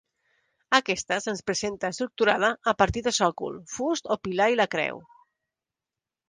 Aquesta se'ns presenta estructurada a partir de sòcol, fust o pilar i la creu.